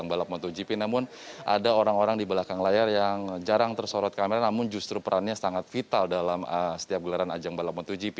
pembalap motogp namun ada orang orang di belakang layar yang jarang tersorot kamera namun justru perannya sangat vital dalam setiap gelaran ajang balap motogp